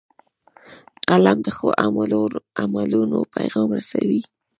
قلم د ښو عملونو پیغام رسوي